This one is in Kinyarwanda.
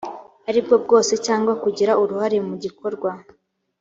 ari bwo bwose cyangwa kugira uruhare mu gikorwa